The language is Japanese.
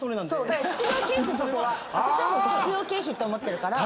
私は必要経費って思ってるから。